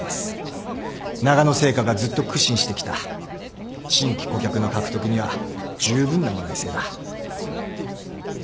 ながの製菓がずっと苦心してきた新規顧客の獲得にはじゅうぶんな話題性だ。